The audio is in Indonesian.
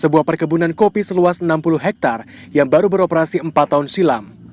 sebuah perkebunan kopi seluas enam puluh hektare yang baru beroperasi empat tahun silam